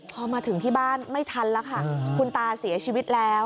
พอมาถึงที่บ้านไม่ทันแล้วค่ะคุณตาเสียชีวิตแล้ว